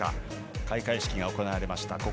開会式が行われました